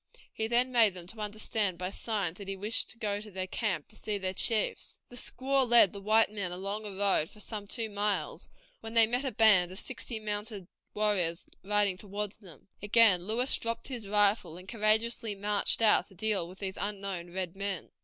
He then made them understand by signs that he wished to go to their camp to see their chiefs. The squaw led the white men along a road for some two miles, when they met a band of sixty mounted warriors riding toward them. Again Lewis dropped his rifle, and courageously marched out to deal with these unknown red men.